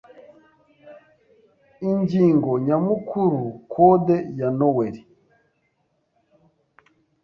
Ingingo nyamukuru Kode ya Noweli